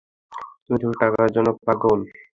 তুমি শুধু টাকার জন্য পাগল।